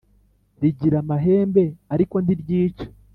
Rigira amahembe ariko ntiryica